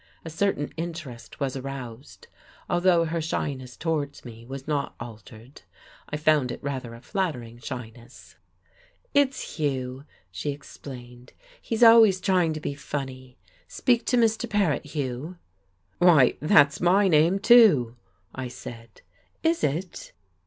A certain interest was aroused, although her shyness towards me was not altered. I found it rather a flattering shyness. "It's Hugh," she explained, "he's always trying to be funny. Speak to Mr. Paret, Hugh." "Why, that's my name, too," I said. "Is it?"